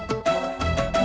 nih aku tidur